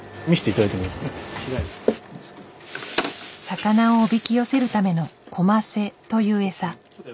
魚をおびき寄せるための「コマセ」というエサ。